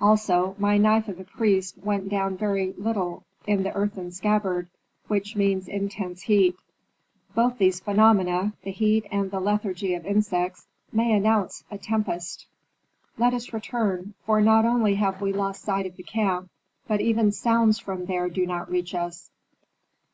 Also my knife of a priest went down very little in the earthen scabbard, which means intense heat. Both these phenomena the heat, and the lethargy of insects may announce a tempest. Let us return, for not only have we lost sight of the camp, but even sounds from there do not reach to us."